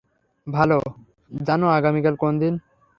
জানো আগামীকাল কোন দিন?